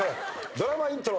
ドラマイントロ。